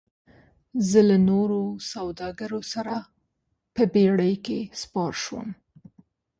زه له نورو سوداګرو سره په بیړۍ کې سپار شوم.